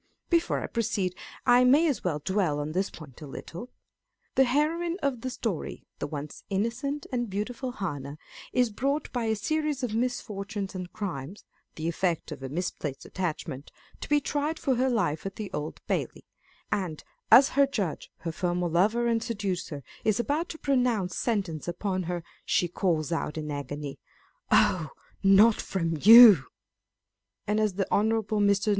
Before I proceed, I may as well dwell on this point a little. The heroine of the story, the once innocent and beautiful Hannah, is brought by a series of misfortunes and crimes (the effect of a misplaced attachment) to be tried for her life at the Old Bailey, and as her Judge, her former lover and seducer, is about to pronounce sentence upon her, she calls out in agony â€" " Oh ! not from YOU !" and as the Hon. Mr.